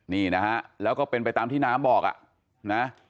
นี่นะฮะแล้วก็เป็นไปตามที่น้ำบอกอ่ะนะ